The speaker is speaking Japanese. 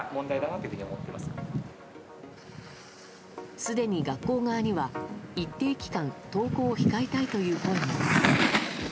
すでに学校側には、一定期間登校を控えたいという声も。